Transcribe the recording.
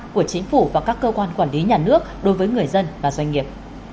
của chính phủ và các cơ quan quản lý nhà nước đối với người dân và doanh nghiệp